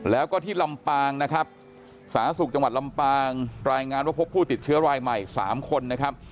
แล้วก็ที่ลำปางนะครับสาธารณสุขจังหวัดลำปางรายงานว่าพบผู้ติดเชื้อรายใหม่๓คนนะครับ